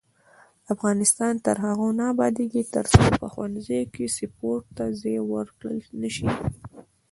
افغانستان تر هغو نه ابادیږي، ترڅو په ښوونځیو کې سپورت ته ځای ورکړل نشي.